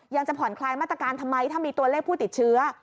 จะผ่อนคลายมาตรการทำไมถ้ามีตัวเลขผู้ติดเชื้อ